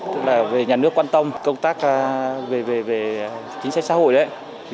tức là về nhà nước quan tâm công tác về chính sách xã hội đấy